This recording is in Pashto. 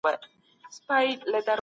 آيا تيوري او عمل سره تړلي دي؟